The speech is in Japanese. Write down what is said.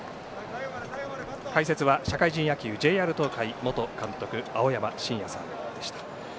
解説は社会人野球ＪＲ東海元監督青山眞也さんでした。